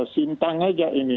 sintang saja ini